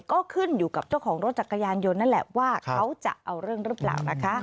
ก็ขึ้นอยู่กับเจ้าของรถจักรยานยนต์นั่นแหละว่าเขาจะเอาเรื่องหรือเปล่านะคะ